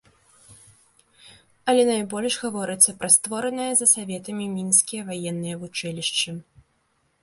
Але найбольш гаворыцца пра створаныя за саветамі мінскія ваенныя вучылішчы.